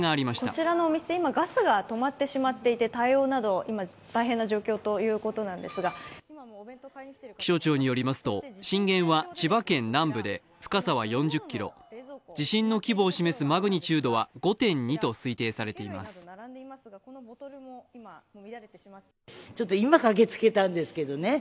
こちらのお店、今ガスが止まってしまっていて対応中ということですが、今、大変な状況ということなんですが気象庁によりますと震源は千葉県南部で深さは４０ｋｍ、地震の規模を示すマグニチュードは５．４と推測されていま今駆けつけたんですけどね。